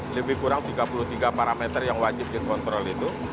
lebih kurang tiga puluh tiga parameter yang wajib dikontrol itu